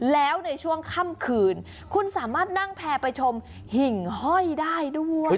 แล้วในช่วงค่ำคืนคุณสามารถนั่งแพร่ไปชมหิ่งห้อยได้ด้วย